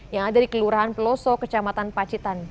yang ada di kelurahan peloso kecamatan pacitan